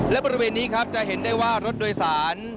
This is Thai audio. และบริเวณนี้ครับจะเห็นได้ว่ารถโดยสาร